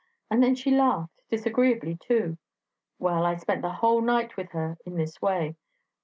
and then she laughed disagreeably too. Well, I spent the whole night with her in this way.